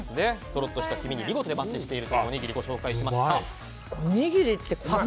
とろっとした黄身に、見事にマッチしているというおにぎりご紹介しました。